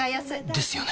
ですよね